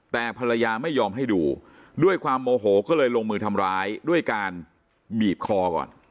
แต่ภรรยาไม่ยอมให้ดูด้วยความโมโหก็เลยลงมือทำร้ายด้วยการบีบคอก่อน